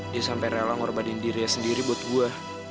dia sampe rela ngorbanin diri sendiri buat gue